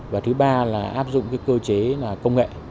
và thứ ba là áp dụng cơ chế công nghệ